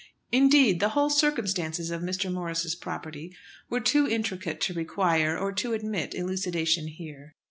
Indeed, the whole circumstances of Mr. Morris's property were too intricate to require, or to admit, elucidation here.